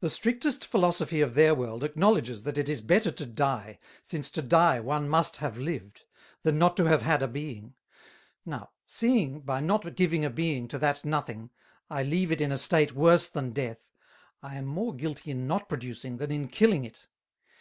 "The strictest Philosophy of their World acknowledges that it is better to dye, since to dye one must have lived, than not to have had a Being. Now seeing, by not giving a Being to that Nothing, I leave it in a state worse than Death, I am more guilty in not producing, than in killing it.